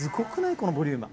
このボリューム。